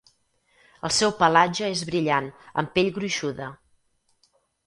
El seu pelatge és brillant amb pell gruixuda.